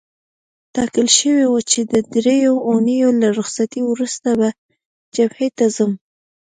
ټاکل شوې وه چې د دریو اونیو له رخصتۍ وروسته به جبهې ته ځم.